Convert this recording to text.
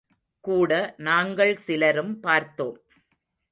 கூட நாங்கள் சிலரும் பார்த்தோம்.